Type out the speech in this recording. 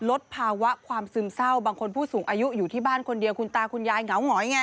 ลดภาวะความซึมเศร้าบางคนผู้สูงอายุอยู่ที่บ้านคนเดียวคุณตาคุณยายเหงาหงอยไง